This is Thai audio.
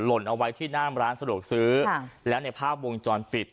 หล่นเอาไว้ที่หน้ามร้านสะดวกซื้อแล้วในภาพวงจรปิด